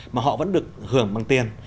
mà họ vẫn được hưởng bằng tiền